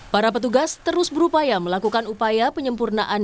para petugas terus berupaya melakukan upaya penyempurnaan